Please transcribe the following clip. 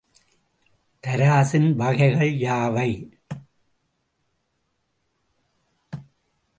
தராசின் வகைகள் யாவை?